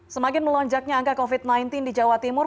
semakin melonjaknya angka covid sembilan belas di jawa timur